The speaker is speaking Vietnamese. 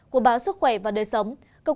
còn bây giờ xin chào và hẹn gặp lại